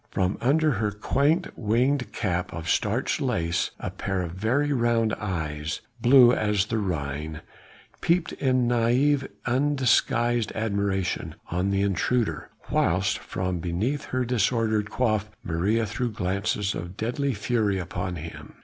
From under her quaint winged cap of starched lace a pair of very round eyes, blue as the Ryn, peeped in naïve undisguised admiration on the intruder, whilst from beneath her disordered coif Maria threw glances of deadly fury upon him.